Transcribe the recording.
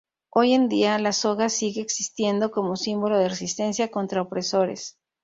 Hoy en día la soga sigue existiendo como símbolo de resistencia contra opresores.